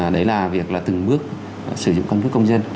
đấy là việc từng bước sử dụng căn cước công dân